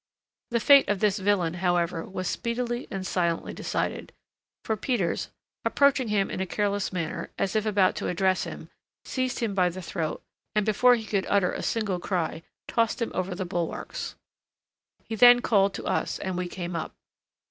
The fate of this villain, however, was speedily and silently decided; for Peters, approaching him in a careless manner, as if about to address him, seized him by the throat, and, before he could utter a single cry, tossed him over the bulwarks. He then called to us, and we came up.